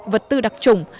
vật tư đặc trùng